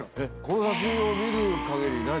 この写真を見る限り何？